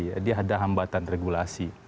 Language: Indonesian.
jadi ada hambatan regulasi